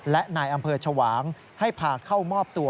และนายอำเภอชวางให้พาเข้ามอบตัว